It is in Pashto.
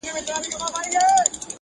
خیراتونه اورېدل پر بې وزلانو!